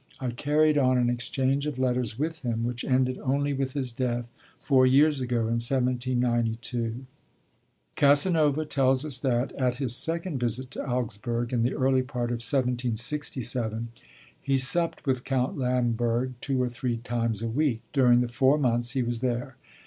I carried on an exchange of letters with him which ended only with his death four years ago in 1792. Casanova tells us that, at his second visit to Augsburg in the early part of 1767, he 'supped with Count Lamberg two or three times a week,' during the four months he was there.